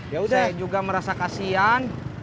saya juga merasa kasihan